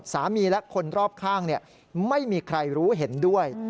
และคนรอบข้างไม่มีใครรู้เห็นด้วย